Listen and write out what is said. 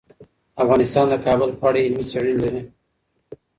افغانستان د کابل په اړه علمي څېړنې لري.